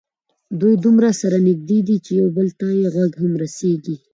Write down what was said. دوی دومره سره نږدې دي چې یو بل ته یې غږ هم رسېږي.